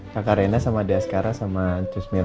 kakak rena sama dia sekarang sama jusmil